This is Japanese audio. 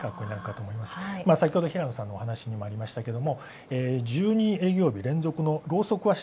先ほど、平野さんのお話でもありましたが１２営業日連続で。